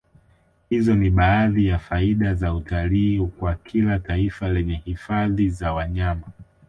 Hizo ni baadhi ya faida za utalii kwa kila taifa lenye hifadhi za wanyama